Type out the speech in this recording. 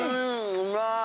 うまい。